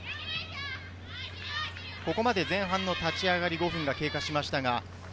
前半の立ち上がり、５分経過しました。